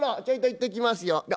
ちょいと行ってきますよ。